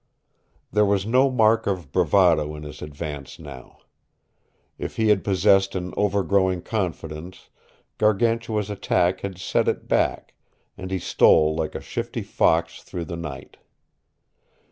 There was no mark of bravado in his advance now. If he had possessed an over growing confidence, Gargantua's attack had set it back, and he stole like a shifty fox through the night.